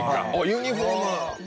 ユニホーム！